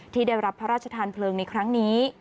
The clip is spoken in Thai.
ที่ได้รับพระราชทานเพลิงในครั้งนี้